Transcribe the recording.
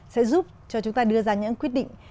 sẽ giúp cho chúng ta đưa ra những quyết định